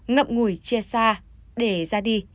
ngậm ngùi chia xa để ra đi